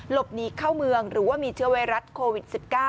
หลบหนีเข้าเมืองหรือว่ามีเชื้อไวรัสโควิด๑๙